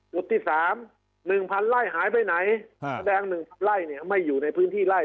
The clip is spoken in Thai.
จุดที่๓๑๐๐๐ไร่หายไปไหนแสดง๑ไร่เนี่ยไม่อยู่ในพื้นที่ไล่